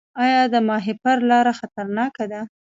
آیا د ماهیپر لاره خطرناکه ده؟